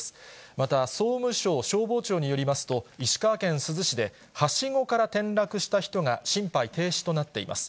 また、総務省消防庁によりますと、石川県珠洲市で、はしごから転落した人が心肺停止となっています。